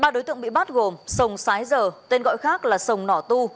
ba đối tượng bị bắt gồm sông sái giờ tên gọi khác là sông nỏ tu